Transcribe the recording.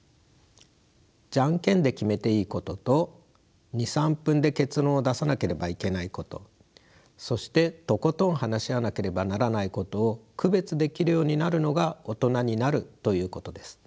ジャンケンで決めていいことと２３分で結論を出さなければいけないことそしてとことん話し合わなければならないことを区別できるようになるのが大人になるということです。